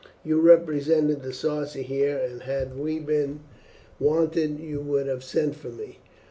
You represented the Sarci here, and had we been wanted you would have sent for me.